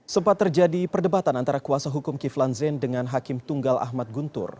sempat terjadi perdebatan antara kuasa hukum kiflan zain dengan hakim tunggal ahmad guntur